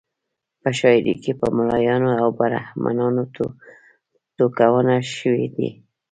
په شاعري کې په ملایانو او برهمنانو ټکونه شوي دي.